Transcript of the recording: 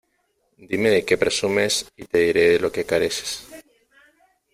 Dime de qué presumes y te diré de lo que careces.